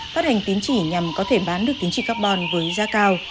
phát hành tính trị nhằm có thể bán được tính trị carbon với giá cao